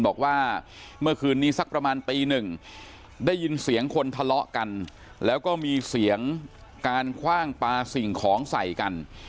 บอกว่าเมื่อคืนนี้สักประมาณตีหนึ่งได้ยินเสียงคนทะเลาะกันแล้วก็มีเสียงการคว่างปลาสิ่งของใส่กัน